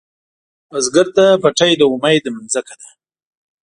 بزګر ته پټی د امید ځمکه ده